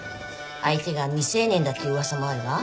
相手が未成年だって噂もあるわ。